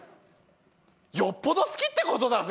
よっぽど好きって事だぜ？